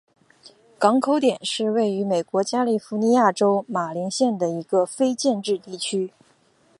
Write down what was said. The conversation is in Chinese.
港口点是位于美国加利福尼亚州马林县的一个非建制地区。